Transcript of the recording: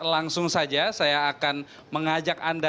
langsung saja saya akan mengajak anda